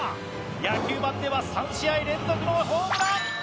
野球ＢＡＮでは３試合連続のホームラン！